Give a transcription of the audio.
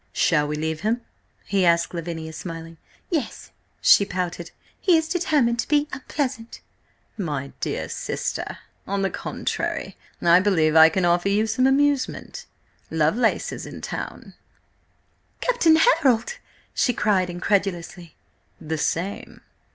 "Shall we leave him?" he asked Lavinia, smiling. "Yes," she pouted. "He is determined to be unpleasant." "My dear sister! On the contrary, I believe I can offer you some amusement. Lovelace is in town." "Captain Harold?" she cried incredulously. "The same."